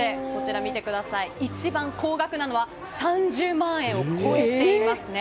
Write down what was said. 一番高額なのは３０万円を超えています。